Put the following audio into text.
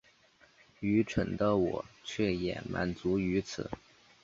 愚蠢的我却也满足於此